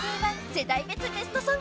世代別ベストソング』］